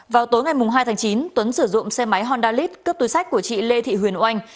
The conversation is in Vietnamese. vào tối ngày hai tháng chín tuấn sử dụng xe máy hondalit cướp túi sách của chị lê thị huyền oanh